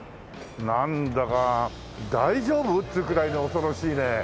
なんだか大丈夫？っていうくらいに恐ろしいね。